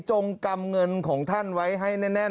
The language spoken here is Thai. จงกำเงินของท่านไว้ให้แน่น